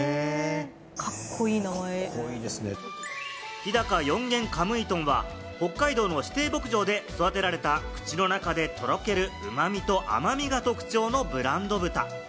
日高四元神威豚は北海道の指定牧場で育てられた口の中でとろけるうまみと甘みが特徴のブランド豚。